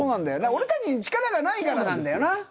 俺たちに力がないからなんだよな。